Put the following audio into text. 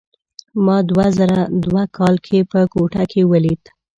ما دوه زره دوه کال کې په کوټه کې ولید.